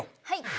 はい。